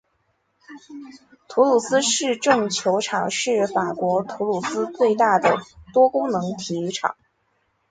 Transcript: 土鲁斯市政球场是法国土鲁斯最大的多功能体育场。